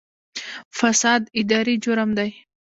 فساد اداري جرم دی